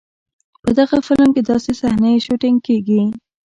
په دغه فلم کې داسې صحنې شوټېنګ کېږي.